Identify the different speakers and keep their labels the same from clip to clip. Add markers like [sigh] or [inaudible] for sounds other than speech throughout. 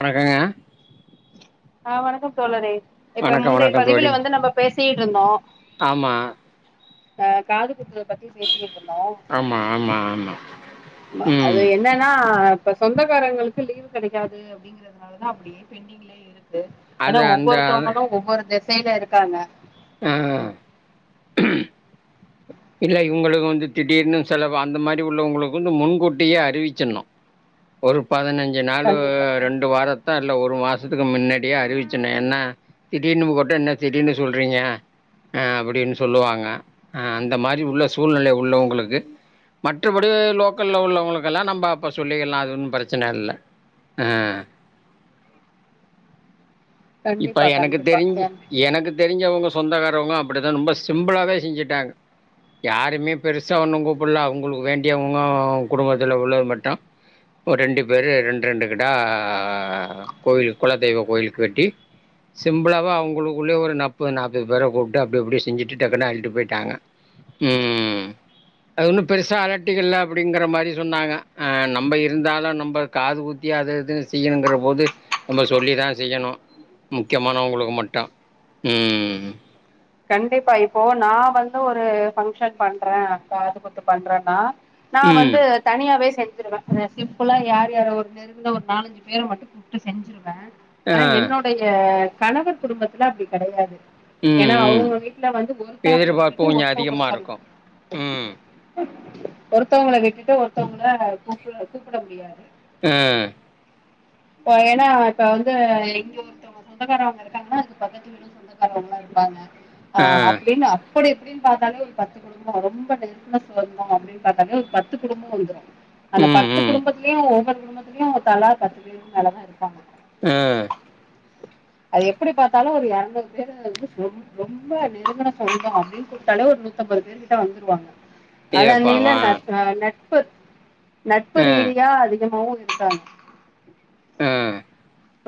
Speaker 1: வணக்கங்க
Speaker 2: ஆ வணக்கம் தோழரே இப்ப
Speaker 1: வணக்கம்
Speaker 2: முந்தைய
Speaker 1: வணக்கம் தோழி
Speaker 2: பதிவுல வந்து நம்ம பேசிட்டிருந்தோ
Speaker 1: ஆமா
Speaker 2: ஆ காது குத்தறத பத்தி பேசிக்கிட்டு இருந்தோ
Speaker 1: ஆமா ஆமா ஆமா
Speaker 2: அ
Speaker 1: ம்
Speaker 2: அது என்னன்னா அ இப்ப சொந்தக்காரங்களுக்கு லீவ் கெடைக்காது அப்டிங்கறதுனாலதா அப்டியே பெண்டிங்லியே இரு து ஏன்னா
Speaker 1: அது அந்த
Speaker 2: ஒவ்வொருத்தவுங்களோ ஒவ்வொரு தேச ல இருக்காங்க
Speaker 1: ஆ இல்ல இவுங்குளுக்கு வந்து திடீர்னு செலவு அந்த மாரி உள்ளவுங்குளுக் குந்து முன்கூட்டியே அறிவிச்சிணோ ஒரு பதினஞ் இங்க நானு
Speaker 2: கண்டிப்பா
Speaker 1: ரெண்டு வார த்தார்ல ஒரு மாசத்துக்கு முன்னாடியே அறிவிச்சர்னோ ஏன்னா திடீர்னு ஒடனே திடீர்னு சொல்றீங்க ஆ அப்டின்னு சொல்லுவாங்க ஆ அ இந்த மாரி உள்ள சூழ்நிலை உள்ளவுங்களுக்கு மற்றபடி லோக்கல்ல உள்ளவங்களுக்கெல்லா நம்ப அப்ப சொல்லிக்கலா அது ஒன்னு பிரச்சனை இல்ல ஆ இப்ப
Speaker 2: கண்டிப்பா
Speaker 1: எனக்கு
Speaker 2: கண்டிப்பா
Speaker 1: தெரிஞ்சு
Speaker 2: ஏ
Speaker 1: எனக்கு தெரிஞ்வங்க சொந்தக்காரவுங்க அப்டிதா ரொம்ப சிம்பிளாவே செஞ்சுட்டாங்க யாருமே பெருசா ஒன்னு கூப்புல்ல அவுங்குளுக்கு வேண்டியவங்க அவுங் குடும்பத்துல உள்ளது மட்டோ ஒர் ரெண்டு பேரு ரெண்டு ரெண்டு கெடா கோயிலுக் குலதெய்வ கோயிலுக்கு வெட்டி சிம்பிளாவா அவுங்குளுக் குள்ளயே ஒரு நப்பு நாப்பது பேர கூப்ட்டு அப்டி அப்டி செஞ்சுட்டு டக்குன்னு அள்ளிட்டு போயிட்டாங்க உம் அது ஒன்னும் பெருசா அலட்டிக்கல அப்டிங்கற மாரி சொன்னாக ஆ நம்ப இருந்தாலோ நம்ப காது குத்தி அது இதுன்னு செய்யணுங்கிற போது நம்ப சொல்லிதா செய்யணு முக்கியமானவங்களுக்கு மட்டோ உம்
Speaker 2: கண்டிப்பா இப்போ நா வந்து ஒரு ஃபங்ஷன் பண்றே காது குத்து பண்றேனா நா
Speaker 1: ம்
Speaker 2: வந்து தனியாவே செ செஞ்சிருவே ஆ சிம்பிளா யார் யாரோவுக்கு இன்னு ஒரு நாலஞ்சு பேர மட்டோ கூப்ட்டு செஞ்சிருவே ஆ என்னொடைய கணவர் குடும்பத்துல அப்டி கெடையாது ஏனா
Speaker 1: ம் ம்
Speaker 2: அவுங்க வீட்ல வந்து ஒருத்தவங்கள
Speaker 1: எதிர்பார்ப்பு
Speaker 2: விட்டுட்டு
Speaker 1: கொஞ்ச
Speaker 2: ஒருத்தவங்கள
Speaker 1: அதிகமா
Speaker 2: சொல்
Speaker 1: இருக்கு ம்
Speaker 2: ஒருத்தவங்கள விட்டுட்டு ஒருத்தவங்கள கூப்ள கூப்பிட முடியாது
Speaker 1: ஆ
Speaker 2: ஒ ஏனா இப்ப வந்து எங்யோ ஒருத்தவங்க சொந்தக்காரவங்க இருக்காங்கனா அது பக்கத்து வீடும் சொந்தக்காரவங்கலா இருப்பாங்க ஆ அப்டின்னு அப்புடி அப்டின்னு பாத்தாலே ஒரு பத்து குடும்போ ரொம்ப நெருங்குன சொந்தோ அப்படின்னு பாத்தாலே ஒரு பத்து குடும்போ வந்துரோ அந்த
Speaker 1: ம்
Speaker 2: பத்து
Speaker 1: ம்
Speaker 2: குடும்பத்திலயு ஒவ்வொரு குடும்பத்திலயு ஒரு தலா பத்து நல்லாதா இருப்பாங்க
Speaker 1: ஆ
Speaker 2: அது எப்டி பாத்தாலு ஒரு எரநூறு பேரு வந்து ரொம் ரொம்ப நெருங்குன சொந்தோ அப்டின்னு கூப்ட்டாலே ஒரு நூத்தம்பது பேர் கிட்ட வந்துருவாங்க [unintelligible]
Speaker 1: ஏப்பாவா
Speaker 2: நட் நா நட் ப் நட்பு
Speaker 1: ஆ
Speaker 2: ரீதியா அதிகமாவோ இரு [unintelligible]
Speaker 1: ஆ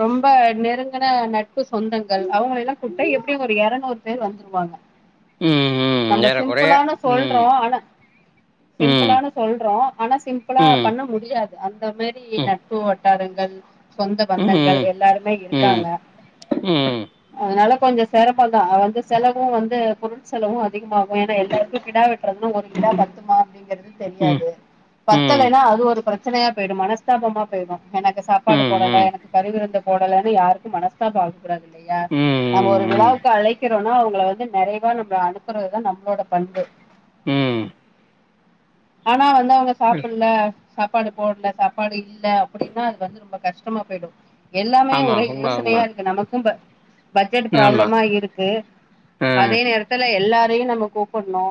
Speaker 2: ரொம்ப நெருங்குன நட்பு சொந்தங்கள் அவுங்கள எல்லா குப்டா எப்படியு ஒரு எரநூறு பேரு வந்துருவாங்க
Speaker 1: ம் ம்
Speaker 2: நம்ப
Speaker 1: ஏறக்குறைய
Speaker 2: சிம்பிளானு
Speaker 1: ம்
Speaker 2: சொல்றோ ஆனா
Speaker 1: ம்
Speaker 2: சிம்பிளானு சொல்றோ ஆனா சிம்பிளா
Speaker 1: ம்
Speaker 2: பண்ண முடியாது அந்த மேரி
Speaker 1: ம் ம்
Speaker 2: நட்பு வட் டாரங்கள் சொ பந்தங்கள்
Speaker 1: ம்
Speaker 2: எல்லாருமே
Speaker 1: ம்
Speaker 2: இருக்காங்க
Speaker 1: ம்
Speaker 2: அதுனால கொஞ்சோ செரமந்தா ஆ வந்து செலவு வந்து பொருள் செலவு அதிகமாகு ஏனா எல்லாருக்கு கிடா வெட்டுறதுனா ஒரு கிடா பத்துமா அப்டிங்கறத்
Speaker 1: ம்
Speaker 2: தெரியாது
Speaker 1: ம்
Speaker 2: பத்தலனா அது ஒரு பிரச் பிரச்சனையா போயிடு மனஸ்தாபமா போயிரு எனக்கு சாப்பாடு
Speaker 1: ம்
Speaker 2: போடல
Speaker 1: ம்
Speaker 2: எனக்கு விருந்து போடலனு யாருக்கு மனசஸ்தாபோ வர கூடாது இல்லயா
Speaker 1: ம்
Speaker 2: நம்ம ஒரு
Speaker 1: ம் ம்
Speaker 2: விழாவுக்கு அழைக்க சோனா அவுங்கள வந்து நெறைவா நம்ம அனுப்புறதுதா நம்மளோட பண்பு
Speaker 1: ம்
Speaker 2: ஆனா வந் இன்னு அவுங்க சாப்பில்ல சாப்பாடு போடுல சாப்பாடு இல்ல அப்புடின்னா அது வந்து ரொம்ப கஷ்டமா பெய்டு எல்லாமே
Speaker 1: ஆமா
Speaker 2: ஒரே
Speaker 1: உண்ம உண்ம
Speaker 2: யோசனையா இருக்கு நமக்கும்ப்ப பட்ஜெட்
Speaker 1: ஆமா
Speaker 2: ப்ராப்ளமா இருக்கு
Speaker 1: ஆ
Speaker 2: அதே நேரத்துல எல்லா இதயு நம்ம கூப்புட்ணு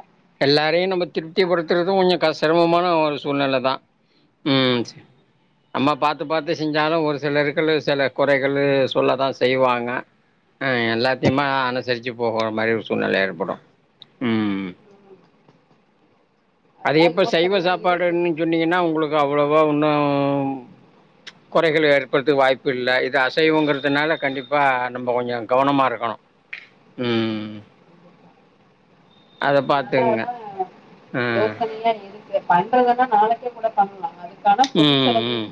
Speaker 1: எல்லாரையு நம்ம திருப்திப்படுத்துறது கொஞ்சோ கஸ் சிரமமான ஒரு சூழ்நெலதா ம் அம்மா பாத்து பாத்து செஞ்சாலு ஒரு சிலருக்கு சில கொறைகளு சொல்லதா செய்வாங்க ம் எல்லாத்தையுமா அனுசரிச்சு போகற மாரி ஒரு சூழ்நெல ஏற்படு ம் அது
Speaker 2: அதெல்லா
Speaker 1: எப்ப சைவ
Speaker 2: யோசனையா இருக்கு
Speaker 1: சாப்பாடுனு சொன்னீங்கனா உங்களுக் இப்ப அவ்வளவா ஓன்னு கொறைகளு ஏற்படுத்ற்க்கு வாய்ப்பு இல்ல இது அசைவங்கறதுனால கண்டிப்பா நம்ப கொஞ்சோ கவனமா இருக்கணு ம் அத பாத்துங்க
Speaker 2: அதுனாலதா
Speaker 1: ஆ
Speaker 2: யோசனையா இருக்கு பன் பண்றதுன நாளைக்கே கூட பண்லா அது க்கான பொருள்
Speaker 1: ம்
Speaker 2: செலவு
Speaker 1: ம்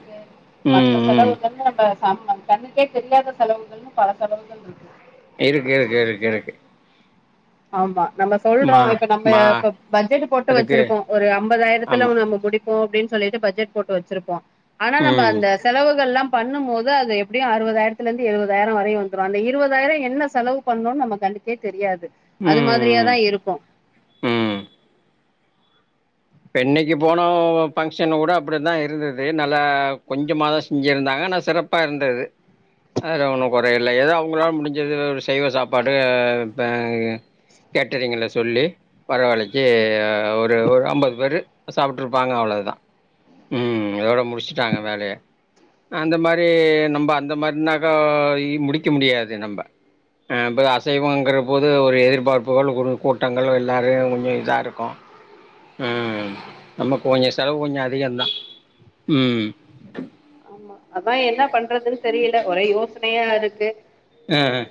Speaker 1: ம்
Speaker 2: மத்த
Speaker 1: ம்
Speaker 2: செலவுக்கு வந்து நம்ம ஆமா கண்ணுக்கே தெரியாத செலவுகள்ன்னு பல செலவுகள்ருக்கு
Speaker 1: இருக்கிருக் கிருக் கிருக்கு
Speaker 2: ஆமா நம்ம சொல்றோ இப்ப நம்ப
Speaker 1: மா
Speaker 2: இப்ப பட்ஜெட் போட்டு
Speaker 1: அதுக்கு
Speaker 2: வச்சிருப்போ ஒரு ஐம்பதாயிரத்துல
Speaker 1: ஆமா
Speaker 2: நம்ம முடிப் போ அப்டினு சொல்லிட்டு ப்ஜெட் போட்டு வச்சுருப்போ ஆனா நம்ம
Speaker 1: ம்
Speaker 2: அந்த செலவுகள்லா பண்ணு போது அது எப்படியு அறுவதாயிரத்துலருந்து எழுபதாயிர வரையு வந்துரு அந்த இருவதாயிரோ என்ன செலவு பண்ணேன்ணு நம கண்ணுகே தெரியாது அது
Speaker 1: ம்
Speaker 2: மாதிரியாதா இருக்கு
Speaker 1: ம் இப்ப இன்னக்கி போன ஃபங்க்ஷன் கூட அப்படி தா இருந்தது நல்லா கொஞ்சமா தா செஞ்சிருந்தாங்க ஆனா சிறப்பா இருந்தது அதுல ஒன்னு கொறயில்லை ஏதோ அவுங்களால முடிஞ்சது ஒரு சைவ சாப்பாடு பே கேட்டரிங்கில சொல்லி பரவாலைக்கு ஒரு ஒரு ஐம்பது வரு சாப்ட்டுருப்பாங்க அவ்ளோதா உம் இதோட முடிச்சுட்டாங்க வேலய அந்த மாரி நம்ப அந்த மாரினாக்கா இ முடிக்க முடியாது நம்ப ஆ ப அசைவோங்கிற போது ஒரு எதிர்பார்ப்புகள் குழு கூட்டங்கள் வர எல்லாரையு [unintelligible] இருக்கோ உம் நமக்கு கொஞ்சோ செலவு கொஞ்சோ அதிகதா உம்
Speaker 2: அப்ப என்ன பண்றதுனு தெரியில ஒரே யோசனையா இருக்கு
Speaker 1: ஆ ஆ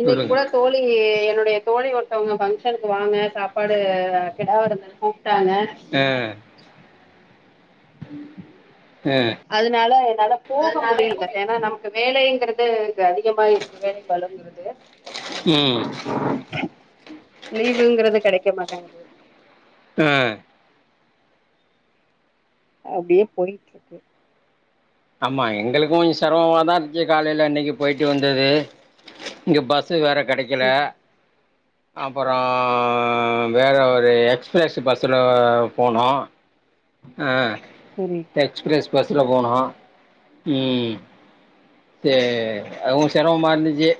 Speaker 2: இன்னிக் கூட
Speaker 1: சொல்லுங்க
Speaker 2: தோழி என்னுடைய தோழி ஒருத்தவங்க ஃபங்ஷனுக்கு வாங்க சாப்பாடு கிடா விருந்துன்னு கூப்ட்டாங்க
Speaker 1: உம்
Speaker 2: அதுனால என்னால போக முடியில ஏனா நமக்கு வேல கிறது க அதிகமா இருக்கு வேல பழுங்கிறது
Speaker 1: ம்
Speaker 2: லீவுங்கிறது கெடைக்க மா டங்க்ஸ்சு
Speaker 1: ஆ
Speaker 2: அப்டியே போயிட்டுருக்கு
Speaker 1: ஆமா எங்களுக்கோ கொஞ்சோ சிரமமாதா இருன்ச்சு காலைல இன்னிக்கு போயிட்டு வந்தது இங்க பஸ் சு வேற கெடைக்கல
Speaker 2: ம்
Speaker 1: அப்பறோ வேற ஒரு எக்ஸ்பிரஸ் பஸ்சுல போனோ ஆ
Speaker 2: சரி
Speaker 1: எக்ஸ்பிரஸ் பஸ்ல போனோ உம் சேரி அதுவு செரமமா இருந்துச்சு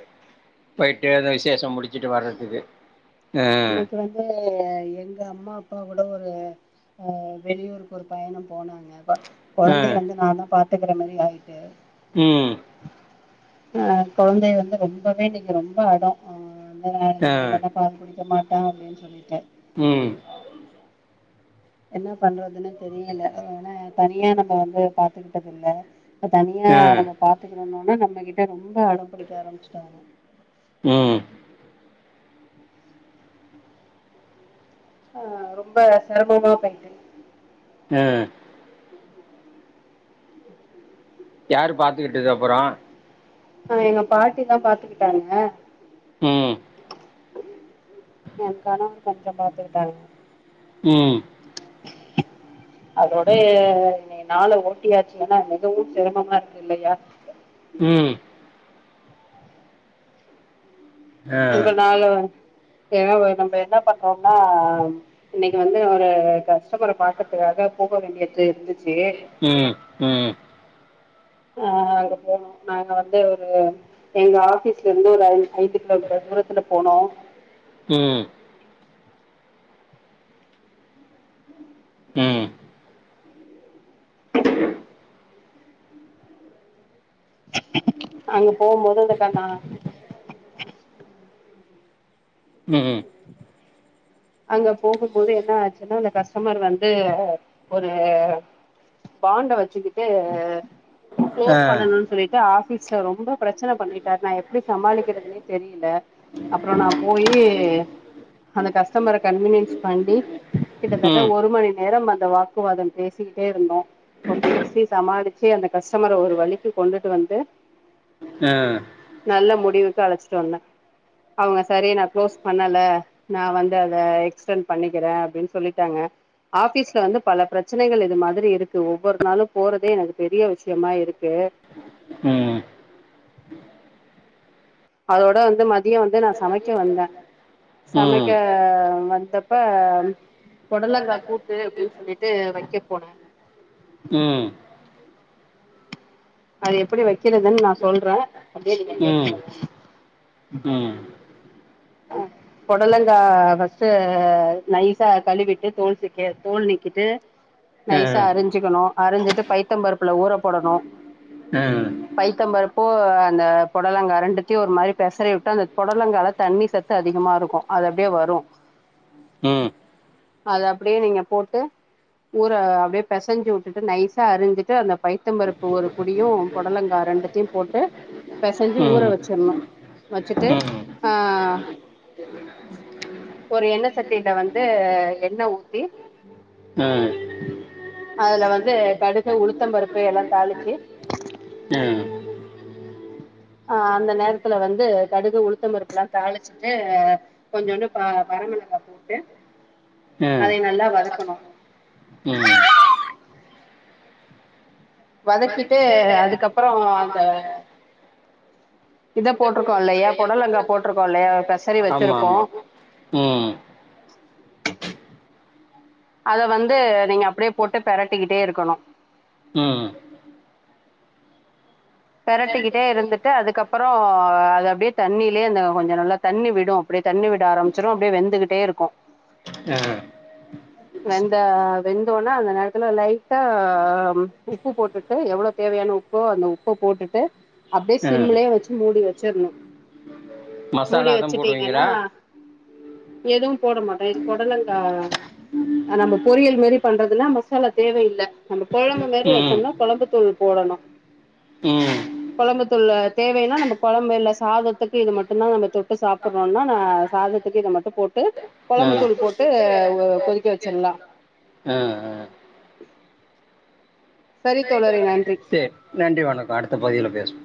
Speaker 1: போயிட்டு அந்த விசேஷம் முடிச்சிட்டு வரதுக்கு
Speaker 2: இன்னக்கி வந்து எங்க அம்மா அப்பா கூட தோ ஒரு ஆ வெளியூருக்கு ஒரு பயணம் போனாங்க ப கொழந்தய வந்து நா தா பாத் துக்கிற மாரி ஆயிட்டு
Speaker 1: உம்
Speaker 2: ஆ கொழந்தை வந்து ரொம்பவே இன்னிக் ரொம்ப அடோ ஆ
Speaker 1: ஆ
Speaker 2: எந்திரிக்க மாட்டா பால் குடி ய மாட்டா அப்டின்னு சொல்லிட்டு
Speaker 1: உம்
Speaker 2: என்ன பண்றதுன்னு தெரியல ஏன்னா தனியா நம்ம வந்து பாத்துகிட்டது இல்ல தனியா
Speaker 1: ஆ
Speaker 2: நம்ம பாத்து ன்னோனு நம்மகிட்ட ரொம்ப அடம் புடிக்க ஆரம்புச்சுட்டாங்க
Speaker 1: உம்
Speaker 2: ஆ ரொம்ப செரமமா போயிட்டு
Speaker 1: ஆ யாரு பாத்துகிட்டது அப்பறோ
Speaker 2: ஆ எங்க பாட்டிதா பாத்துக்கிட்டாங்க
Speaker 1: உம்
Speaker 2: எ கணவர் கொஞ்சோ பாத்துக்கிட்டாங்க
Speaker 1: உம்
Speaker 2: அதோடயே னேன் நாள ஓட்டியாச்சு ஏன்னா மிகவு சிரமமா இருக்கு இல்லையா
Speaker 1: ம் ஆ
Speaker 2: உங்க நாளு ஏன்ன நம்ப என்ன பண்றோம்மா இன்னக்கி வந்து ஒரு கஸ் ஷ்டமர பாக்கற்துக்காக போக வேண்டியட்று இருந்துச்
Speaker 1: ம் ம்
Speaker 2: அஹ் அங்க போனோ நாங்க வந்து ஒரு எங்க ஆபீஸ்லேருந்து ஒரு அஞ் ஐந்து கிலோமீட்டர் தூரத்துல போனோ
Speaker 1: ம் ம்
Speaker 2: அங்க போம்போது அந்தக்கண்ணா
Speaker 1: ம் ம்
Speaker 2: அங்க போகும்போது என்னா ஆச்சுன்னா அந்த கஸ்டமர் வந்து ஒரு பாண்ட வச்சுக்கிட்டு
Speaker 1: ஆ
Speaker 2: க்ளோஸ் பண்ணணுன் சொல்லிட்டு ஆஃபீஸ் சோ ரொம்ப ப்ர ச்சனை பண்ணிட்டார் நா எப்புடி சமாளிக்கிறதுனே தெரியில அப்றொ நா போயி அந்த கஸ் தமர கன்வீனியன்ஸ் பண்ணி கிட்டத்தட்ட
Speaker 1: ம்
Speaker 2: ஒரு மணி நேரம் வந் இந்த வாக்குவாதம் பேசிக்கிட்டே இருந்தோ இப்போ பேசி சமாளிச் சே அந்த கஸ்டமர ஒரு வழிக்கு கொண்டுட்டு வந்து
Speaker 1: ஆ
Speaker 2: நல்ல முடிவுக்கு அழச் சொன்ன அவங்க சரி நா குளோஸ் பண்ணல நா வந் தத எக்ஸ்டென் பண்ணிக்கிற அப்டின்னு சொல்லிட்டாங்க ஆஃபீஸ்ல வந்து பல பிரச்சனைகள் இது மாதிரி இருக்கு ஒவ்வொரு நாளு போறதே எனக்கு பெரிய விஷ்யமா இருக்கே
Speaker 1: உம்
Speaker 2: அதோட வந்து மதியோ வந்து நா சமைக்க வந்த சமைக்க
Speaker 1: ம்
Speaker 2: வந்தப்ப பொடலங்கா கூட்டு அப்டின்னு சொல்லிட்டு வை கே போன
Speaker 1: ம்
Speaker 2: அது எப்டி வைக்கிறதன் நா சொல்ற அப்டியே நீங்க
Speaker 1: ம்
Speaker 2: கேட்டுகோங்க
Speaker 1: ம்
Speaker 2: அ பொடலங்கா ஃபஸ்ட் நைசா கழுவிட்டு தோல் சிக்கே தோல் நிக்கிட்டு
Speaker 1: ஆ
Speaker 2: நைசா அரஞ்சிக்கினு அரிஞ்சிட்டு பைத்த பருப்புல ஊற போடணு
Speaker 1: ஆ
Speaker 2: பைத்தம்பருப்போ அந்த புடலங்கா ரெண்டுத்தியு ஒரு மாரி பெசரி உட்டு அந்த பொடலங்கால தண்ணி சத்து அதிகமா இருக்கு அது அப்டியே வரு
Speaker 1: ம்
Speaker 2: அத அப்டியே நீங்க போட்டு ஊற அப்டியே பெசஞ்சு உட்டுட்டு நைசா அரிஞ்சிட்டு அந்த பைத்தம்பருப்பு ஒரு புடியும் பொடலங்கா ரெண்டுத்தியும் போட்டு பெசஞ்சி ஊற
Speaker 1: ம்
Speaker 2: வச்சிடணு வச்சுட்டு
Speaker 1: ம்
Speaker 2: ஆ ஒரு எண்ணெய் சட்டியில வந்து எண்ண ஊத்தி
Speaker 1: அஹ்
Speaker 2: அதுல வந்து கடுகு உளுத்த பருப்பு எல்லா தாளிச்சி
Speaker 1: ம்
Speaker 2: ஆ அந்த நேரத்துல வந்து கடுகு உளுத்த பருப்புலா தாளிச்சுட்ட கொஞ்சோன்டு பா பரமிளகா போட்டு
Speaker 1: ம்
Speaker 2: அதை நல்லா வதக்கணு
Speaker 1: ம்
Speaker 2: வதக்கிட்டு அதுக்கு அப்ரோ அந்த இத போட்டுருக்கோ இல்லையா பொடலங்கா போட்டுருக்கோ இல்லையாக் பெசரி
Speaker 1: ஆமா
Speaker 2: வச்சிருப்போ
Speaker 1: ஆமா ம்
Speaker 2: அத வந்து நீங்க அப்டியே போட்டு பெரட்டிக்கிட்டே இருக்கணு
Speaker 1: ம்
Speaker 2: பெரட்டிக்கிட்டே இருந்துட்டு அதுக்கு அப்பறொ அது அப்டியே தண்ணிலயே அந்த கொஞ்ச நல்ல தண்ணி விடு அப்டியே தண்ணி விட ஆரமிச்சிறு அப்டியே வெந்துக்கிட்டே இருக்கு
Speaker 1: ஆ
Speaker 2: வெந்த வெந்தோன அந்த நேரத்துல லைட்டா உப்பு போட்டுட்டு எவ்ளோ தேவையான உப்போ அந்த உப்ப போட்டுட்டு அப்டியே
Speaker 1: ஆ
Speaker 2: சிம்லயே வச்சு மூடி வச்சிரணு
Speaker 1: மசாலா அதா போடுவிங்களா
Speaker 2: எதுவும் போட மாட்ட இது பொடலங்கா அ நம்ம பொரியல் மேரி பண்றதுல மசாலா தேவயில்ல நமக் கொழம்பு மாரி
Speaker 1: ம்
Speaker 2: வச்சோம்னா கொழம்புத் தூள் போடணு
Speaker 1: ம்
Speaker 2: கொழம்பு தூள்ல தேவேன்னா நம்மக் கொழம்புல்ல சாதத்துக்கு இது மட்டுந்தா நம்ம தொட்டு சாப்ரோனா நா சாதத்துக்கு இத மட்டு போட்டு கொழம்பு தூள் போட்டு உ
Speaker 1: அ அ
Speaker 2: சரித்
Speaker 1: சேர் நன்றி வணக்கொ அடுத்த பகுதியில பேசுவோ